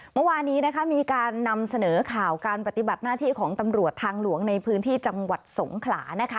เมื่อวานนี้นะคะมีการนำเสนอข่าวการปฏิบัติหน้าที่ของตำรวจทางหลวงในพื้นที่จังหวัดสงขลานะคะ